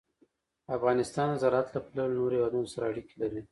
افغانستان د زراعت له پلوه له نورو هېوادونو سره اړیکې لري.